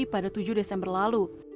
pada tujuh hari lalu